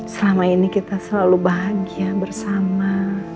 selama ini kita selalu bahagia bersama